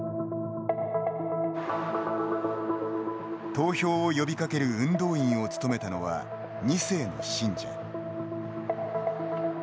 投票を呼びかける運動員を務めたのは、２世の信者。